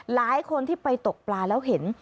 หลายคนที่ไปตกปลาแล้วเห็น